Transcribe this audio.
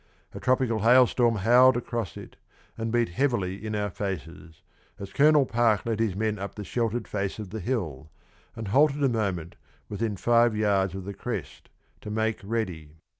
A tropical hailstorm howled across it, and beat heavily in our faces, as Colonel Park led his men up the sheltered face of the hill, and halted a moment within five yards of the crest, to make ready.